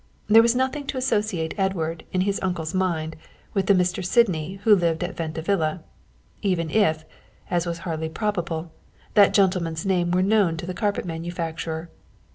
There was nothing to associate Edward in his uncle's mind with the Mr. Sydney who lived at Venta Villa, even if, as was hardly probable, that gentleman's name were known to the carpet manufacturer.